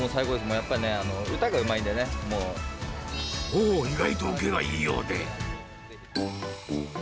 やっぱりね、おお、意外と受けがいいようで。